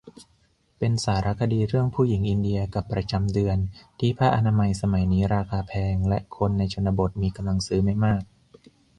เป็นสารคดีเรื่องผู้หญิงอินเดียกับประจำเดือน ที่ผ้าอนามัยสมัยนี้ราคาแพงและคนในชนบทมีกำลังซื้อไม่มาก